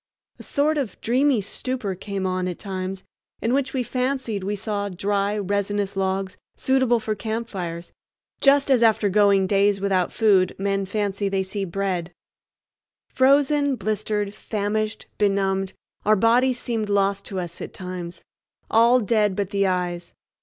A sort of dreamy stupor came on at times in which we fancied we saw dry, resinous logs suitable for campfires, just as after going days without food men fancy they see bread. Frozen, blistered, famished, benumbed, our bodies seemed lost to us at times—all dead but the eyes.